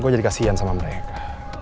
gue jadi kasian sama mereka